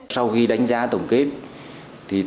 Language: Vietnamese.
sau khi đánh giá tổng kết thì thật ra là tổng kết